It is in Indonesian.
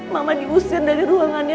mama diusir dari ruangannya